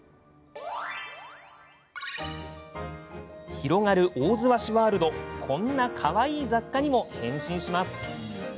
広がる大洲和紙ワールド、こんなかわいい雑貨にも変身します。